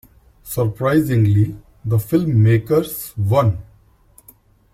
Surprisingly, the filmmakers won.